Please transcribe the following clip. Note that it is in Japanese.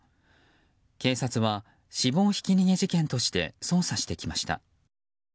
警察は死亡ひき逃げ事件として捜査してきました。